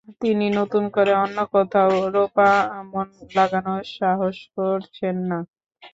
তিনি নতুন করে অন্য কোথাও রোপা আমন লাগানোর সাহস করছেন না।